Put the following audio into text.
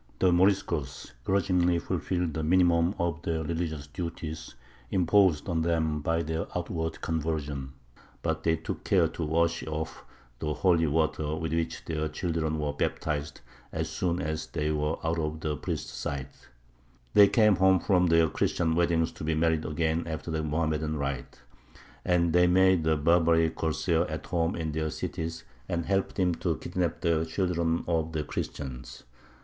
The Moriscos grudgingly fulfilled the minimum of the religious duties imposed on them by their outward conversion; but they took care to wash off the holy water with which their children were baptized as soon as they were out of the priest's sight; they came home from their Christian weddings to be married again after the Mohammedan rite; and they made the Barbary corsair at home in their cities, and helped him to kidnap the children of the Christians.